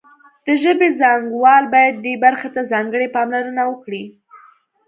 د ژبې څانګوال باید دې برخې ته ځانګړې پاملرنه وکړي